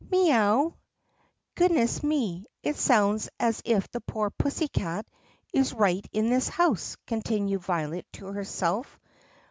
"MEE OW!" "Goodness me! It sounds as if the poor pussycat is right in this house," continued Violet to herself.